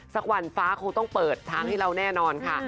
สักวันฟ้าคงต้องเปิดทางให้เราแน่นอนค่ะ